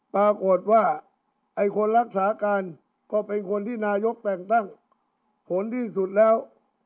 ปรากฏว่าไอ้คนรักษาการก็เป็นคนที่นายกแต่งตั้งผลที่สุดแล้ว